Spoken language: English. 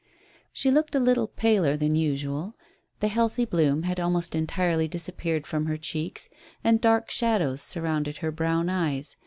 She looked a little paler than usual; the healthy bloom had almost entirely disappeared from her cheeks, and dark shadows surrounded her brown eyes.